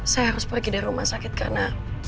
saya harus pergi dari rumah sakit karena